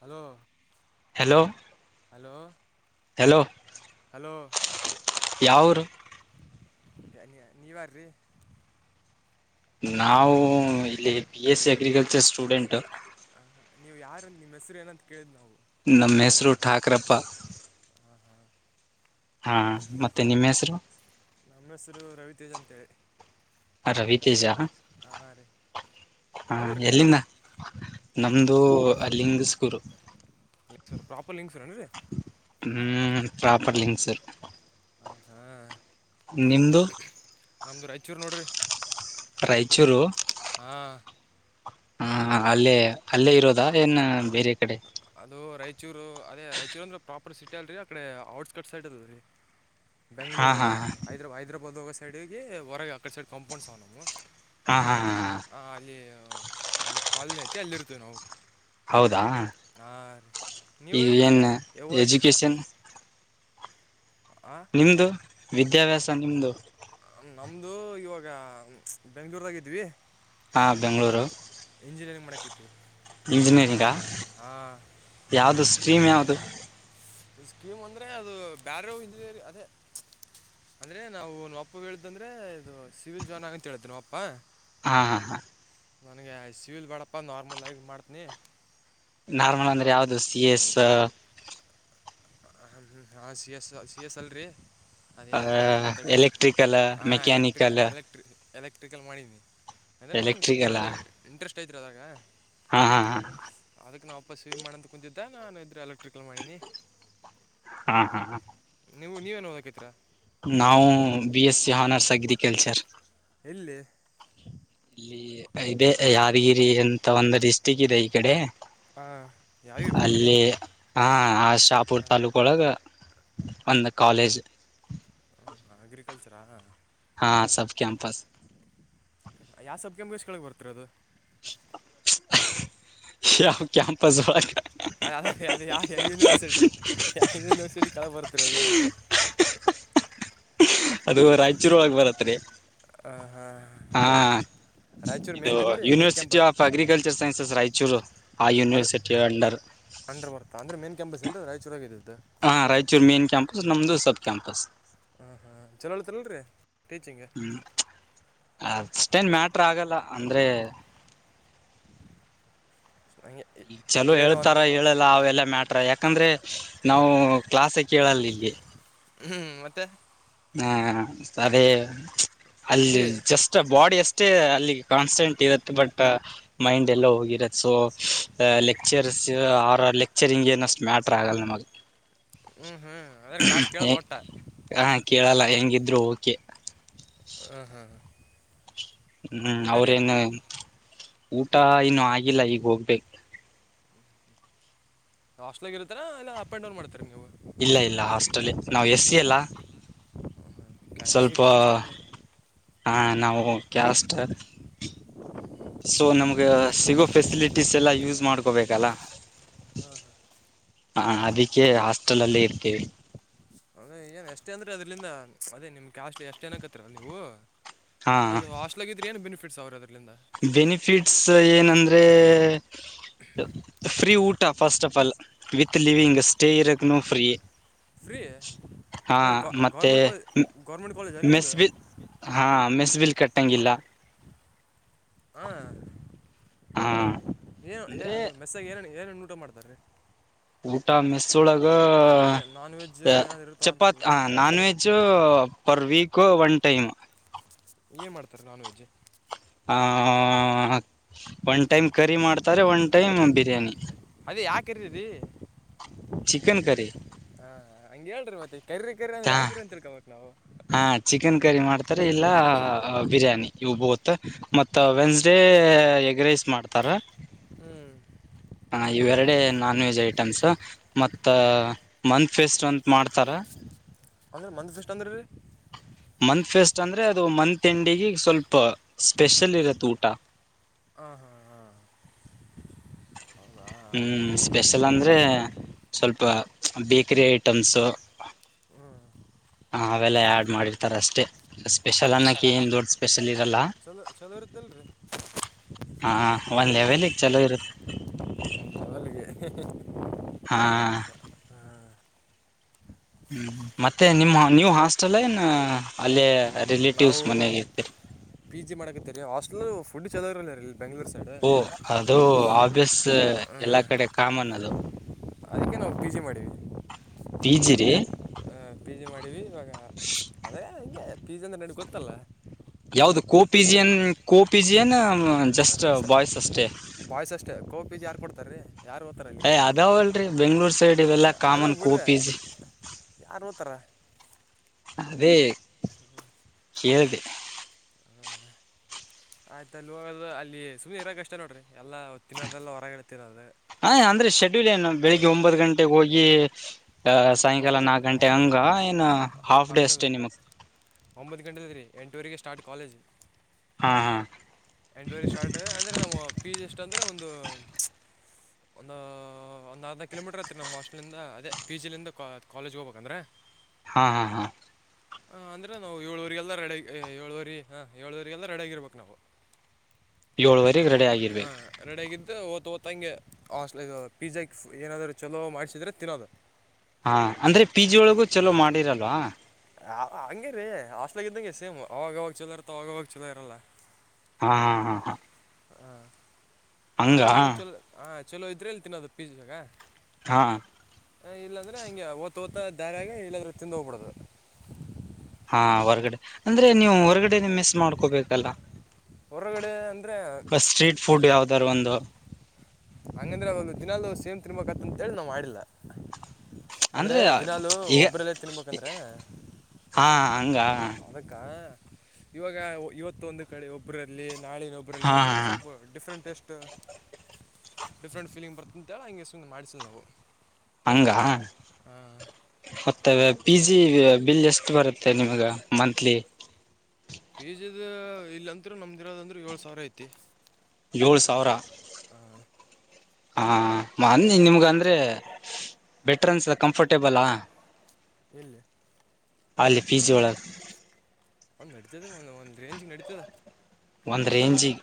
Hello hello hello hello ಯವ್ಊರು ನೀ ನೀವಾರ್ರಿ ನಾವು ಇಲ್ಲಿ B S C agriculture student ನೀವು ಯಾರ ನಿಮ್ಮ ಹೆಸರು ಏನಂತ ಕೇಲಿದ್ ನಾವು ನಮ್ಮ ಹೆಸರು ಠಾಕ್ರಪ್ಪ ಹಾಂ ಹಾಂ, ಹಾ ಮತ್ತೆ ನಿಮ್ ಹೆಸರು ನಮ್ ಹೆಸರು ರವಿ ತೇಜ್ ಅಂತೇಳಿ ರವಿ ತೆಜಾ ಹಾಂ ಹಾಂ ರೀ ಹಾ ಯಾವ ಊರು ರೀ ಎಲ್ಲಿಂದ ನಿಮ್ಮದು ನಮ್ದು ಅಲ್ಲಿಂಗಸ್ಗೂರು ಲಿಂಗ್ಸೂರು ಪ್ರಾಪರ್ ಲಿಂಗ್ಸೂರೇನು ರೀ ಹ್ಮ್ ಪ್ರಾಪರ್ ಲಿಂಕ್ ಸರ್ ಹಾ ನಮದು ರಾಯಚೂರು ನೋಡ್ರಿ ರಾಯಚೂರು ಹಾ ಹಾ ಅಲ್ಲೇ ಅಲ್ಲೇ ಇರೋದಾ ಏನ್ ಬೇರೆ ಕಡೆ ಅದು ರಾಯಚೂರು ಅದೇ ರಾಯಚೂರು ಅಂದ್ರೆ ಪ್ರಾಪರ್ ಸಿಟಿ ಅಲ್ರರಿ ಅಕಡೆ ಔಟ್ಸ್ಕಟ್ ಸೈಡ್ ಅದ ರೀ ಹಾ ಬೆಂಗ್ಳೂರು ಹಾ ಹೈದ್ರ ಹೈದರಬಾದ್ ಹೋಗೊ ಸೈಡ್ ಹೊಗಿ ಹೊರಗ ಅಕ್ಕಡ್ ಸೈಡ್ ಕಂಪೌಂಡ್ಸ್ ಅವನವು ಹಾ ಹಾ ಹಾ ಹ ಅಲ್ಲಿ ಅವನು ಕಲ್ನ ಐತಿ ಅಲ್ಲಿರ್ತೇವಿ ನಾವು ಹೌದಾ ಹಾಂ ರೀ ನೀವು ಈಗ ರೀ ಏನ್ ಏ ಓದಕತ್ತೀರಾ ಎಜುಕೇಶನ್ ಹಾಂ ನಿಮ್ದು ವಿದ್ಯಾಭ್ಯಾಸ ನಿಮ್ದು ನಮ್ದ ಇವಾಗ ಬೆಂಗ್ಳೂರದಾಗಿದ್ವಿ ಹಾಂ ಬೆಂಗಳೂರು ಇಂಜಿನಿಯರಿಂಗ್ ಮಾಡಕ್ಕಿತ್ತು ಇಂಜಿನಿಯರಿಂಗಾ ಹಾಂ ಯಾವದು ಸ್ಟ್ರೀಮ್ ಯಾವುದು ಸ್ಕೀಮ್ ಅಂದ್ರೆ ಅದು ಬ್ಯರೆ ಹಿಂದೇರಿ ಅದೇ ಅಂದ್ರೆ ನಾವು ನ ಅಪ್ಪ ಹೇಳತಂದ್ರೆ ಇದು ಸಿವಿಲ್ ಜಾಯಿನ್ ಆಗಿ ಅಂತ ಹೇಳತಿ ನಮ್ಮ ಅಪ್ಪಾ ಹಾ ಹಾ ಹಾ ನನಗೆ ಸಿವಿಲ್ ಬಾಡಪ್ಪ ನಾರ್ಮಲ್ ಆಗಿ ಮಾಡ್ತ್ನಿ ನಾರ್ಮಲ್ ಅಂದ್ರೆ ಯಾವ್ದ್ ಸಿ ಎಸ್ ಹ ಹ ಹಾ ಸಿ ಎಸ್ ಸಿ ಎಸ್ ಅಲ್ರಿ ಅದೇಏಂತ್ರದು ತಡೆ ಎಲೆಕ್ಟ್ರಿಕಲ್ ಹ ಎಲೆಕ್ಟ್ರಿಕ್ ಮೆಕ್ಯಾನಿಕಲ್ ಎಲೆಕ್ಟ್ರಿಕ್ ಎಲೆಕ್ ಎಲ್ಕ್ರಿಕಲ್ ಮಾಡಿನಿ ಅಂದರೆ ನಂಗೆ ಎಲೆಕ್ಟ್ರಿಕಲ್ ಸ್ವಲ್ಪ ಇಂಟ್ರೆಸ್ಟ್ ಐತ್ರ್ ಅದಾಗ ಹಾ ಹಾ ಹಾ ಅದಕ್ಕೆ ನಾವುಾಪ್ಪಸ್ ಸವೀರ್ ಮಾಡಂತ ಕುಂಂತಿದ್ದೆ ನಾನು ಇದ್ದೆ ಎಲೆಕ್ಟ್ರಿಕಲ್ ಮಾಡೀನಿ ಹಾ ಹಾ ನೀವು ನೀವೇನ್ ಓದಕತಿರಾ ನಾವು ಬಿ ಎಸ್ ಸಿ ಹನರ್ಸ್ ಆಗಿದ್ದಿ ಕೆಲ್ಸರ್ ಎಲ್ಲಿ ಇಲ್ಲಿ ಇದೆ ಯಾದಗಿರಿ ಎಂತ ಒಂದು ಡಿಸ್ಟಿಕ್ ಇದೆ ಈ ಕಡೆ ಯಾವ್ದು ಗೊತ್ತ್ರಿ ಅಲ್ಲಿ ಹಾ ಆ ಶಾಪುರ್ ತಾಲೂಕ ಒಳಗ ಅಂದ ಕಾಲೇಜ್ ಅಗ್ರಿಕಲ್ಚರಾ ಹಾ ಸಬ್ ಕಂಪಸ್ ಯಾವ ಸಬ್ಕಮಗೆ ಎಷ್ಟ ಕೆಳಗ್ ಬರ್ತಿರ ಅದು ಶ ಅವ ಕ್ಯಾಂಪಸ್ ಜೋಳ ಅದ ಅದ ಅದು ಯಾವ ಯಾವ ಯೂನಿವರ್ಸಿಟಿ ಯಾವ ಯೂನಿವರ್ಸಿಟಿ ಕಳ ಬರ್ತಿರೋದು ಹಾ ಹಾ ಅದು ರಾಯಚೂರು ಒಳಗೆ ಬರತ್ರಿ ಹ ಹಾ ಇದು ಮೇನ್ ಏನು ರೀ main university campus of agriculture sciences Raichur ಆ ಯೂನಿವರ್ಸಿಟಿ ಎಳ್ಳರ್ ಅಂಡ್ರ ಬರ್ತಾ ಅಂದ್ರೆ ಮೇನ್ ಕ್ಯಾಂಪಸ್ ಏನ ರಾಯಚೂರಾಗ್ದತ್ತು ಕ ಕೆಂಪಸ್ ಹ್ಮ ಹಾ್ ಚಲೋ ಹಳ್ತಲ್ರರಿ ಟೀಚಿಂಗ್ ಅಷ್ಟೇನ್ ಮ್ಯಾಟ್ರ ಆಗಲ್ಲ ಅಂದ್ರೆ ಹಂಗೆ ಚಲೋ ಹೇಳು ಹೇಳ್ತಾರ ಅಂತ ಹೇಳಲ್ಲ ಅವೆಲ್ಲಾ ಮ್ಯಾಟ್ರ ಯಾಕ ಯಾಕಂದ್ರೆ ನಾವು ಕ್ಲಾಾಸ ಕೇಳಲ್ಲ ಇಗೆ ಹ್ಮ್ ಮತ್ತೆ ಹಾ ಸರಿ ಅಲ್ಲಿ ಉದ್ದಿರಿ ಜಸ್ಟ್ ಬಾಡಿ ಅಷ್ಟೇ ಅಲ್ಲಿ ಕಾನ್ಸ್ಟೆಂಟ್ ಇರುತ್ತೆ ಬಟ್ ಮೈಂಡ್ ಎಲ್ಲ ಹೋಗಿರತ್ತೆ ಸೊ ಲೆಕ್ಚರ್ಸ್ ಆರ ಲೆಕ್ಚರಿಂಗ್ ಏನಷ್ಟು ಮ್ಯಾಟ್ರ ಆಗಲ್ಲ ನಮಗೆ ಹ್ಮ್ ಹ್ಮ್ ಅದ್ರ ಕ್ಲಾಸ್ ಕೇಳೋದ ಹೊಟ ಹ ಕೇಳಲ್ಲ ಹೆಂಗಿದ್ರು ಓಕೆ ಹ್ಞೂ ಹ್ಮ್ ಊಟ ರೀ ಅವ್ರೇನು ಊಟ ಇನ್ನು ಆಗಿಲ್ಲ ಈಗ ಹೋಗ್ಬೇಕು ಹಾಸ್ಟ್ಲ್ಗ ಇರ್ತರ ಇಲ್ಲ ಅಪ್ ಅಂಡ್ ಡೌನ್ ಮಾಡತಾರೆ ನೀವು ಇಲ್ಲ ಇಲ್ಲ ಹಾಸ್ಟೆಲ್ ನಾವವು ಎಸ್ಸ ಅಲ್ಲ ಹರಿ ಕಾಸ್ಟ್ ಅ ಹಾ ನಾವು ಕಷ್ಟ ಸೊ ನಮ್ಗೆ ಸಿಗೋ ಫೆಸಿಲಿಟೀಸ್ ಎಲ್ಲ ಯೂಸ್ ಮಾಡ್ಕೊಬೇಕಲ್ಲ ಹ್ಮ ಹಾ ಹಾ ಅದಕ್ಕೆ ಹಾಸ್ಟೆಲ್ ಅಲ್ಲೇ ಇರ್ತೇವಿ ಅದ ಏನ್ ಎಷ್ಟೇ ಅಂದ್ರೆ ಅದ್ರಲಂದ ಅದೇ ನಿಮ್ ಕ್ಯಾಸ್ಟ್ ಎಷ್ಟ್ ಏನಕತ್ತರಿ ನೀವು ಹಾ ಅದು ಅಾಸ್ಟ್ಲಾಗಿದ್ರರಿ ಏನ್ ಬೆನಿಫಿಟ್ಸ್ ಅವ್ರದದು ಬೆನಿಫಿಟ್ಸ್ ಏನಂದ್ರೆ ಫ್ರೀ ಊಟ first of all with living stay ಇರಕ್ ನ ಫ್ರೀ ಫ್ರೀಯ ಹಾ ಮತ್ತೆ ಕಾಲೇಜಾ ನಿಮ್ಮದು ಮೆಸ್ಬಲ್ ಹಾ ಮೆಸ್ಬಲ್ ಕೆಟ್ಟಂಗಿಲ್ಲ ಹ ಏನು ಏ ಅಂದ್ರೆ ಅದು ಮೆಸ್ಸಾಗ ಏನಿ ಏನೇನು ಊಟ ಮಾಡ್ತಾರ್ರೀ ಊಟ ಮೆಸುಳಗ ಅದೇ ನಾನ್ ವೆಜ್ ಏನಾದ್ರು ಇರುತ್ತೋ ಚಪಾತಿ ಅಂತಲ್ಲ non veg per week one time ಏನ್ ಮಾಡ್ತಾರೆ ನಾನ್ ವೆಜ್ಜ್ ಹ ಒನ್್ ಟೈಮ್ ಕರಿ ಮಾಡ್ತಾರೆ ಒ ಟೈಮ ಬಿರಿಯಾನಿ ಕ್ಕೀ ರಿ ಚಿಕನ್ ಕಾರಿ ಹಂಗಗೆ ಹೇಳ್ರರಿ ಮತ್ತ ಕರಿ ಕರಿ ಅ್ರ ಯಕಿ ಅಂತಳ್ಕೋಬೇಕ ನಾವು ಹಾ ಚಿಕನ್ ಕರಿ ಮಾಡ್ತಾರೆ ಇಲ್ಲ ಬಿರಿಯಾನಿ ಇವು ಬೂತ್ ಮತ್ತ ವೆನ್ಸ್ಡೇ ಎಗ ರೈಸ್ ಮಾಡ್ತಾರ ಹ್ಞೂ ಹ ಇವೆರಡ ನಾನ್ ವೆಜ್ ಐಟಮ್ಸ್ ಮತ್ತ ಮಂತ್ ಫೆಸ್ಟ್ ಅ ಅಂದ್ರ ಮಂದದ ಎಷ್ಟ ಅಂದ್ರೀ ಮತ್ ಫೆಸ್ಟ್ ಅಂದ್ರೆ ಅದು ಮಂತ್ ತಿಂಡಿಗೆ ಸ್ವಲ್ಪ ಸ್ಪೆಷಲ್ ಇರತ್ತೆ ಊಟ [inaudible] ಹಾಂ ಹಾಂ ಹಾಂ ಹೌದಾ ಹ್ಮ್ ಸ್ಪೆಷಲ್ ಅಂದ್ರೆ ಸ್ವಲ್ಪ ಬೇಕರಿಿ ಐಟಮ್ಸು ಹ್ಞೂ ಹ ಅವೆಲ್ಲ ಆಡ್ ಮಾಡಿರ್ತಾರ ಅಷ್ಟೇ ಸ್ಪೆಷಲ್ ಅನ್ನೋಕ್ಕೆ ಏನು ದೊಡ್ಡ ಸ್ಪೆಷಲ್ ಇರೋಲ್ಲ ಚಲೋ ಚಲೋ ಇರುತ್ತಲ್ರಿ ಹಾ ಒಂದ್ ಲೆವೆಲ್ಗ್ ಚಲೋ ಇರುತ್ತೆ ಅಿಗೆ ಹಾ ಹ್ಮ್ ಮತ್ತೆ ನಿಮ್ಮ್ ನೀವು್ ಹಾಸ್ಟೆಲ್ ಏನ್ ಅಲ್ಲಿೇ ನಾವು ಪಿ ಜಿ ಮಾಡಕತ್ತೀ ರ ಹಾಸ್ಟೆಲ್ ಫುಡ್ ಚೆಲೋರಲ್ಲ ರ ಇಲ್ಲಿ ಬೆಂಗ್ಳೂರು ಸೈಡ್ ಓ ಅದು ಆಬ್ಿಯಸ್ ಎಲ್ಲಾ ಕಡೆ ಕಾಮನ್ ಅದು ಅದಕ್ಕೆ ನಾವು ಕೆ ಜಿ ಮಾಡೀಿವವಿ ಪಿ ಜಿ ರೀ ಪಿ ಜಿ ಮಾಡೀಿವವಿ ಇವಾಗ ಅದೇ ಹಂಗೆ ಪೀ್ಜ ಅಂದೆ ನಡು ಗೊತ್ತಲ್ಲ ಯಾವದು ಕೋ ಪಿ ಜಿಯನ್ ಕೋ ಪಿ ಜಿ ನ ಜಸ್ಟ್ ಹಾಂ ಬಾಯ್ಸ್ ಅಷ್ಟೇ ಪ ಜಿ ಯಾರ್ ಕೊಡ್ತಾರೀ ಯ್ ಅದಾವ ಅಲ್ರಿ ಬೆಂಗ್ಳೂರ್ ಸೈಡ್ ಇವೆಲ್ಲಾ ಕಾಮನ್ ಕೋಪೀಜ ಮೂ ತರ ಅದೇ ಹ ಳಿದೆ ಹ್ಮ ಆಯ್ತಲ್ಲಿ ಅಲ್ಲಿ ಸುಮಿ ಇರ ಅಷ್ಟ ನೋಡ್ರಿ ಎಲ್ಲ ತಿನ್ನೋದೆಲ್ಲ ಹೊರಗಡೆ ತಿನ್ನೋದು ಹಾ ಅಂದ್ರೆ ಶೆಡ್ಯೂಲ್ ಏನು ಬೆಳಿಗ್ಗೆ ಒಂಬತ್ತು ಗಂಟೆಗೆ ಹೋಗಿ ಅ ಸಾಯಂಕಾಲ ನಾವೊಂದು ನಾಕ್ು ಗಂಟೆ ಒಂಬತ್ತು ಹಂಗ ಏನು ಹಾಫ್ ಡೇ ಹಂಗಲ್ಲ ಅಷ್ಟೇ ರೀ, ನಿಮಕ್ ಒಂಬತ್ತು ಗಂಟೆ ರೀ ಎಂಟೂಊರಿಗೆ ಸ್ಟ್ ಕಾಲೇಜ್ ಹಾ ಹಾ ಎಂಟುವರೆ ಸ್ಟಾರ್ಟ್ ಅದೆ ಅಂದ್ರೆ ನಮ್ಮ ಪಿ ಜಿ ಅಷ್ಟ ಅಂದ್ರೆ ಒಂದು ಒಂದು ಒಂದು ಅರ್ನು ಕಿಲೋಮೀಟರ್ ಐತ್ರಿ ನಮ್ಮ ಹಾಸ್ಟೆಲ್ಿಂದ ಅದೇ ಪಿ ಜಿಲಿಂದ ಕಾಲೇಜ್ಗೆ ಹೋಗ್ಬೇಕಂದ್ರೆ ಹಾ ಹಾ ಹಾ. ಹ ಅಂದ್ರೆ ನಾವು ಏಳುವರಿಗೆಲ್ಲ ರೆಡ ಏಳುವರಿ ಹಾ ಏಳುವವರಿಗೆಲ್ಲ ರೆಡ ಆಗಿರ್ಬೇಕು ನಾವು. ಏಳುವರೆಗೆ ರೆಡಿ ಆಗಿರ್ಬೇಕು. ಓ್ತ ಓದ್ಂಗೆ ಹಸ್ ಪಿಜ್ಜಾ ಏನಾದ್ರು ಚಲೋ ಮಾಡಸಿದ್ರೆ ತಿನ್ನೋದು ಹಾ ಅಂದ್ರೆ ಪಿ ಜಿ ಒಳಗೂ ಚಲೋ ಮಾಡಿರಲ್ವಾ ಹಂಗಗೆ ರೀ ಆಾಸ್ಲಗ ಇದ್ದಂಗೆ ಸೇಮ್ ಅವಾಗವಾಗ ಛಲೋ ಇರ್ತ ಅವಾಗವಾಗ ಚಲೋ ಇರಲ್ಲ ಹಾ ಹಾ ಹಾ ಹಾ ಹಂಗ ಏನ ಚಲೋ ಹ ಚಲೋ ಇದ್ರೆ ಎಲ್ಲಿ ತಿನ್ನೋದು ಪೀಾಗ ಹಾ ಹ ಇಲ್ಲಾಂದ್ರೆ ಹಂಗೆ ಓ್ತ ಓತ ದಾರಾಗ ಇಲ್ಲಾದ್ರೆ ತಿಿಂದ ಹೋಗ್ಬಿಡ್ದ ಹಾ ಹೊರ್ಗಡೆ ಅಂದ್ರೆ ನೀವು ಹೊರ್ಗಡೆನೆ ಮಿಸ್ ಮಾಡ್ಕೋಬೇಕಲ್ಲ ಹೊರಗಡೆ ಅಂದರೆ ಬ ಸ್ಟ್ರೀಟ್ ಫುಡ್ ಯಾವ್ದಾರ ಒಂದು ಹಂಗಂದ್ರೆ ಅದೊಂದು ದಿನಾಲು ಸೇಮ್ ತಿನ್ಬೇಕುಕತ್ತ ಅಂತೇಳಿ ನಾವ್ ಮಾಡಿಲ್ಲ. ಅಂದ್ರೆ ದಿನಾಲು ಈಗ ಒಬ್ರಲ್ಲೇ ತಿನ್ಬೇಕಂದ್ರೆ. ಹಾ ಹಂಗ ಅದಕ್ಕ ಇವಾಗ ಇವತ್ತೊಂದು ಕಡೆ ಒಬ್ರಲ್ಲಿ. ನಾಳೆ ಇನ್ನೊಬ್ರಲ್ಲಿ ಹಾ ತಿಂದ್ರೆ ಹಾ ಸ್ವಲ್ಪ ಡಿಫ್ರೆಂಟ್ ಟೇಸ್ಟ್. ಟ ಡಿಫ್ರೆಂಟ್ ಫೀಲಿಂಗ್ ಬರ್ತದ ಅಂತ ಹೇಳಿ ಹಂಗೆ ಸುಮ್ನೆ ಮಾಡ್ಸಿಲ್ಲ ನಾವು. ಹಂಗ. [inaudible] ತಗ ಪಿಜಿ ಗ ಬಿಲ್ ಎಷ್ಟು ಬರುತ್ತ ನಿಮಗ ಮಂತ್ಲಿ. ಪಿ ಜಿದ ಇಲ್ಲಂತ್ರು ನಮ್ದಿರೋದಂದ್ರೆ ಏಳು ಸಾವಿರ ಐತಿ. ಏಳು ಸಾವಿರ. ಹ್ಮ್. ಹಾ ಮೊನ್ನಿ ನಿಮ್ಗಂದ್ರೆ. ಬೆಟರ್ ಅನ್ಸತ್ತ ಕಂಫರ್ಟೇಬಲ್ ಹಾ. ಇಲ್ಲಿ ಪಿ ಜಿ ಒಳಗ [inaudible] ಒಂದಡ್ ಇತ್ತದ್ರ ಒಂದ ಒಂದ್ ರೇಂಜ್ಗೆ ನಡೀತದ. ಒಂದ ರೇಂಜಿಗೆ.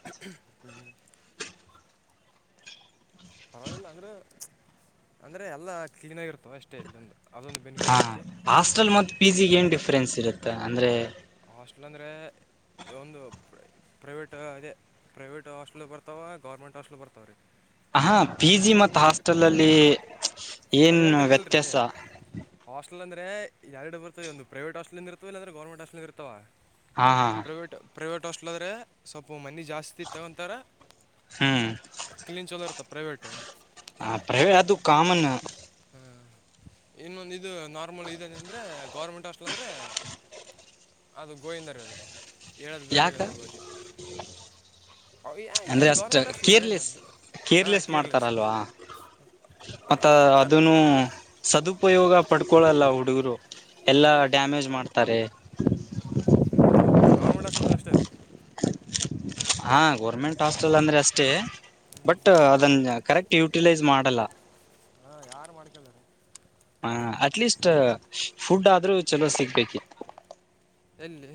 ಹ್ಮ್. ಪರವಾಗಿಲ್ಲ ಅಂದ್ರೆ ಅಂದ್ರೆ ಎಲ್ಲಾ ಕ್ಲೀನ್ ಆಗಿರ್ತವೆ ಅಷ್ಟೇ ಇಲ್ಲಿಂದು ಅದು. ಹಾ ಹಾಸ್ಟೆಲ್ ಮತ್ ಪಿ ಜಿ ಗೆ ಏನ್ ಡಿಫ್ರೆನ್ಸ್ ಇರುತ್ತೆ ಅಂದ್ರೆ. ಹಾಸ್ಟೆಲ್ ಅಂದ್ರೆ. ಒಂದು ಪ್ರೈವೇಟು ಅದೇ ಪ್ರೈವೇಟ್ ಹಾಸ್ಟ್ಲ್ ಬರ್ತಾವ ಗೌರ್ಮೆಂಟ್ ಹಾಸ್ಟ್ಲ್ ಬರ್ತಾವ್ರೀ. ಆಹಾ ಪಿ ಜಿ ಮತ್ ಹಾಸ್ಟೆಲ್ ಅಲ್ಲಿ. ಅದೇ ಏನ್ ಹೇಳಕತ್ನಲ್ರಿ ವ್ಯತ್ಯಾಸ ಹಾಸ್ಟೆಲ್ ಅಂದ್ರ. ಅ ಎರಡು ಬರ್ತಾವ ಒಂದು ಪ್ರೈವೇಟ್ ಹಸ್ಟ್ಲ್ ಇಂದ್ ಇರ್ತಾವ ಇಲ್ಲ ಅಂದ್ರೆ ಗೋರ್ಮೆಂಟ್ ಹಸ್ಟ್ಲ್ ಇರ್ತಾವ. ಹಾ. ಪ್ರೈವೇಟ್ ಹಾಸ್ಟ್ಲ ಅಂದ್ರೆ ಸ್ವಲ್ಪ ಮೊನೀ ಜಾಸ್ತಿ ತಗೊಂತಾರೆ ಹ್ಮ್ ಕ್ಲೀನ್ ಚಲೋ ಇರ್ತ. ತ್ತ ಪ್ರೈವೇಟ್. ಹ ಪ್ರೈವೇ ಅದು ಕಾಮನ್. ಇನ್ನೊಂದು ಇದು ನಾರ್ಮಲ್ ಇದೇನು ಅಂದ್ರೆ ಗೌರ್ಮೆಂಟ್ ಹಾಸ್ಟೆಲ್ ಅಂದ್ರೆ. ಅದು ಗೋವಿಂದ ರಿ ಅದು ಹೇಳದ ಯಾಕ ಬೇಕಾಗಿಲ್ಲ ಅದ್ರ ಬಗ್ಗೆ. ಅಂದ್ರೆ ಏನು ಅಷ್ಟು ಗೌರ್ಮೆಂಟ್ ಹಾಸ್ಟೆಲ್ ರೀ ಕೇರ್ಲೆಸ್ ಹಾಂ ಕೇರ್ಲೆಸ್ ಮಾಡ್ತಾರಲ್ವಾ. ಮತ್ತ ಅದು ಒಟ್ಟು ಅದನು ಸದು. ಉಪಯೋಗ ಪಡ್ಕೊಳ್ಳಲ್ಲ ಹುಡುಗುರು ಎಲ್ಲ ಡ್ಯಾಮೇಜ್ ಮಾಡ್ತಾರೆ. ಹ್ಮ ಮತ್ತೆ ಗೌರ್ಮೆಂಟ್ ಹೋಸ್ಟಿಲ್ ಅಂದ್ರೆ ಅಷ್ಟೇ ರೀ. ಹಾ ಗೌರ್ಮೆಂಟ್ ಹಾಸ್ಟೆಲ್ ಅಂದ್ರೆ ಅಷ್ಟೇ. ಬಟ್ ಅದನ್ನ ಕರೆಕ್ಟ್ ಯುಟಿಲೈಸ್ ಮಾಡಲ್ಲ. ಹಾಂ ಯಾರು ಮಾಡ್ಕೊಂಡಾರೆ ಹ ಅಟ್ಲೀಸ್ಟ್ ಫುಡ್ ಆದ್ರೂ. ಚಲೋ ಸಿಗ್ತೈತಿ. ಇಲ್ಲಿ.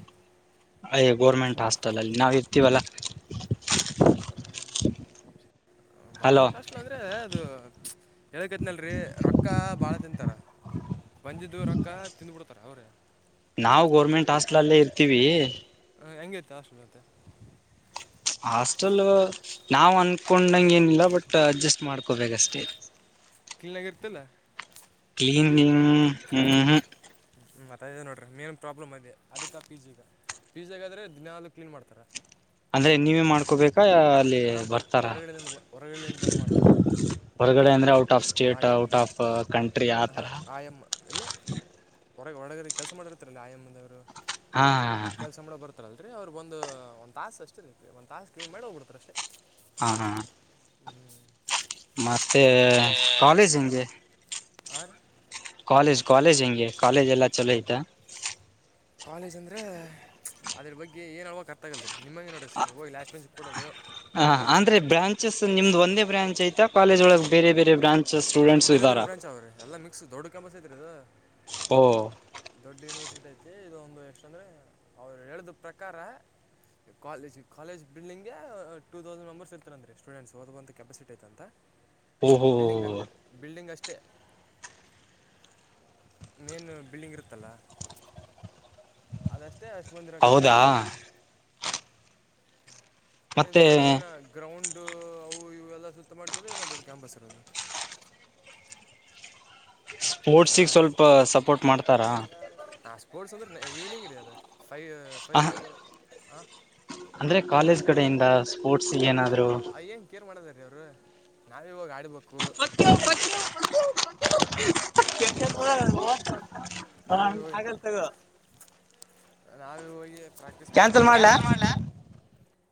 ಅಯ ಗೋರ್ಮೆಂಟ್ ಹಾಸ್ಟೈಲ್ ಅಲ್ಲಿ ನಾವ್ ಇರ್ತೀವಲ್ಲಾ. [unintelligible] [inaudible] ಗೌರ್ಮೆಂಟ್ ಹಾಸ್ಟೆಲ್ ಅಂದ್ರೆ [unintelligible] ಅದು ಹೇಳಕತಿನೀ ಅಲ್ರೀ ರೊಕ್ಕ ಬಾಳ ತಿಂತಾರ. ಬಂದಿದ್ದು ರೊಕ್ಕ ತಿಂದ್ ಬಿಡ್ತಾರ ಅವ್ರೆ. ನಾವು ಗೋರ್ಮೆಂಟ್ ಹಾಸ್ಟೆಲ್ ಅಲ್ಲೇ ಇರ್ತೀವಿ. ಹಾಂ ಹೆಂಗೈತೆ ಆಷ್ಟುಲ ಮತೆ. ಹಾಸ್ಟೆಲ್ ನಾವು ಅನ್ಕೊಂಡಂಗ ಏನಿಲ್ಲ ಬಟ್ ಅಡ್ಜಸ್ಟ್ ಮಾಡ್ಕೊ ಬೇಕಷ್ಟೇ. ಕಲ್ನಗ ಇರ್ತಲ್ಲ. ಕ್ಲೀನಿಂಗ್ ಹು ಹ್ಮ. ಮತ್ತದೆ ನೋಡ್ರರಿ ಮೇನ್ ಪ್ರಾಬ್ಲಮ್ ಅದೆ ಅದಕ್ಕೆ ಪಿ ಜಿಗ ಪಿ ಜಿಗಾದ್ರೆ ದಿನೂ ಕ್ಲೀನ್ ಮಾಡ್ತಾರೆ. ಅಂದ್ರೆ ನೀವೇ ಮಾಡ್ಕೋಬೇಕು. [unintelligible] ಅ ಅಲ್ಲಿ ಆ ಬಂದು ಬರ್ತಾರ ಹೊರಗಡೆಯಿಂದ ಬ- ಹೊರಗಡೆಯಿಂದ ಬಂದು ಮಾಡ್ತಾರೆ ಹೊರಗಡೆ ಅಂದ್ರೆ out. The state I'm out of country ಆಥರ. ಹೊರಗ ಒಳಗರಿ ಕೆಲಸ ಮಾಡಿರ್ತ್ತಾರಲ್ಲ ಆ ಎಮ್ಮಂದು. [unintelligible] ಅಂದ್ರೆ ಅವರು ಒಂದು ಒಂದು ತಾಸು ಅಷ್ಟೆ ರಿ ಒಂದು ತಾಸು ಕ್ಲೀನ್ ಮಾಡಿ ಹೋಗಿಬಿಡತಾರೆ ಅಷ್ಟೇ. ಹ್ಮ್ಮ್ ಹ್ಮ್ಮ್. [unintelligible] ಮತ್ತೆ ಕಾಲೇಜ್ ಹೆಂಗೆ. ಹಾ ರೀ. ಕಾಲೇಜ್ ಕಾಲೇಜ್ ಹೆಂಗೆ ಕಾಲೇಜ್ ಎಲ್ಲ ಚಲೋ ಆಯ್ತ್. ಕಾಲೇಜ್ ಅಂದರೆ ಅದ್ರ ಬಗ್ಗೆ ಏನ ಹೇಳಬೇಕು ಅರ್ಥ ಆಗವಲತ ರೀ ನಿಮಂಗ ನೋಡಿರಿ ಸೇಮ್ ಹೋಗಿ ಲಾಸ್ಟ್ ಬೆಂಚಿಗೆ ಕುಡೋದು. ಹ ಅಂದ್ರ ಬ್ರಾಂಚಸ್ ನಿಮ್ದು ಒಂದೇ ಬ್ರಾಂಚ್ ಅಯ್ತಾ ಕಾಲೇಜ್ ಒಳಗ್ ಬೇರೆ ಬೇರೆ ಬ್ರಾಂಚ್. ಸ್ಟೂಡೆಂಟ್ಸ್ ಬೇರೆ ಇದ್ದಾರ ಬೇರೆ ಬ್ರಾಂಚ್ ಅವ್ರಿ ಎಲ್ಲಾ ಮಿಕ್ಸ್ ದೊಡ್ಡ ಕ್ಯಾಂಪಸ್ ಐತ್ ಅದ ಓ ದೊಡ್ಡ ಯೂನಿವರ್ಸಿಟಿ. [unintelligible] ಇದೊಂದು ಎಸ್ಟ್ ರಿ ಅವ್ರು ಹೇಳದ ಪ್ರಕಾರ. College college building two thousand members ಇರ್ತಾರಂದ್ರ ಸ್ಟೂಡೆಂಟ್ಸ್ ಅದಂತ ಕೆಪಾಸಿಟಿ ಐತಂತ. ಓ ಓ ಹೋ. ಬಿಲ್ಡಿಂಗ್ ಬಿಲ್ಡಿಂಗ್ ಅಷ್ಟೇ. ಮೇನ್ ಬಿಲ್ಡಿಂಗ್ ಇರುತ್ತಲ್ಲ. ಅದಷ್ಟೇ ಅಷ್ಟ ಹೌದಾ ಮಂದಿರಕ್ಕತಂತ್. [unintelligible] ಮತ್ತೆ ಇದು ಇನ ಗ್ರೌಂಡ್. ಅವು ಇವೆಲ್ಲ ಸುತ್ತ ಮಾಡ್ಕೊಂಡ್ರೆ ಇನ್ನೊಂದು ದೊಡ್ಡ ಕ್ಯಾಂಪಸ್ ಹಾಕತೈತಿ. ಸ್ಪೋರ್ಟ್ಸಗೆ ಹಾಂ ಸ್ವಲ್ಪ ಸಪೋರ್ಟ್ ಮಾಡ್ತಾರಾ. ಕೋರ್ಟ್ಸ್ ಅಂದ್ರೆ ಈವ್ನಿಂಗ್ ರಿ ಅದ ಫೈವ್ ಫೈವ್ ಹ. ಅಂದ್ರೆ ಕಾಲೇಜ್ ಕಡೆಯಿಂದ ಸ್ಪೋರ್ಟ್ಸ್ ಏನಾದ್ರು. ದವರು ನಾವ ಇವಾಗ ಆಡಬೇಕು. Fuck you fuck you. ನಾವಿವಾಗ [unintelligible] ನಾವೇ ಹೋಗಿ ಪ್ರಾಕ್ಟೀಸ್ ಮಾಡ್ಬೇಕು ಮಾಡಬೇಕು ಕ್ಯಾನ್ಸಲ್ ಮಾಡ್ಲೆ.